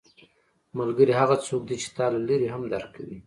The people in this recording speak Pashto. ملګری هغه څوک دی چې تا له لرې هم درک کوي